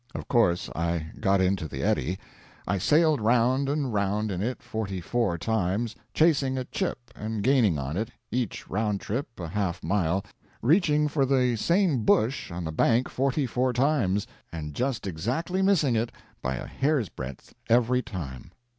Of course I got into the eddy. I sailed round and round in it forty four times chasing a chip and gaining on it each round trip a half mile reaching for the same bush on the bank forty four times, and just exactly missing it by a hair's breadth every time.